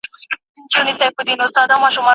شفقت د ایمان نښه ده.